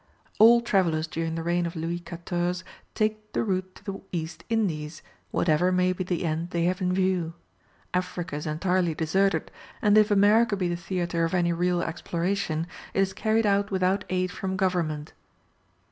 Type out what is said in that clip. All travellers during the reign of Louis XIV. take the route to the East Indies, whatever may be the end they have in view. Africa is entirely deserted, and if America be the theatre of any real exploration, it is carried out without aid from government.